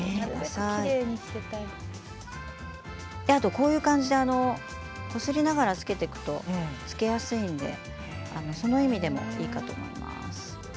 こうやってこすりながらつけていくとつけやすいのでその意味でも、いいかと思います。